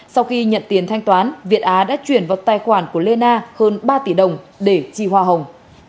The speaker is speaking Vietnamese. sau khi nhận tiền thanh toán việt á đã chuyển vào tài khoản của lê na hơn ba tỷ đồng để chi hoa hồng